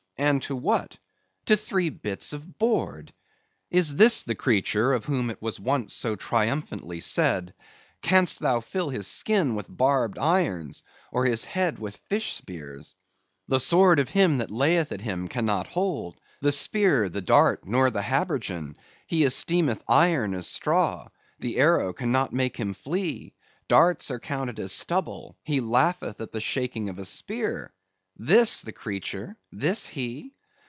and to what? To three bits of board. Is this the creature of whom it was once so triumphantly said—"Canst thou fill his skin with barbed irons? or his head with fish spears? The sword of him that layeth at him cannot hold, the spear, the dart, nor the habergeon: he esteemeth iron as straw; the arrow cannot make him flee; darts are counted as stubble; he laugheth at the shaking of a spear!" This the creature? this he?